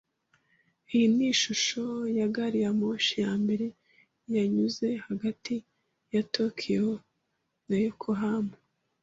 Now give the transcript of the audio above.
Iyi ni ishusho ya gari ya moshi ya mbere yanyuze hagati ya Tokiyo na Yokohama.